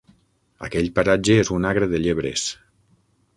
Aquell paratge és un agre de llebres.